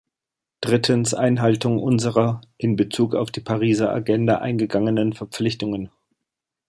Drittens, Einhaltung unserer in Bezug auf die Pariser Agenda eingegangenen Verpflichtungen.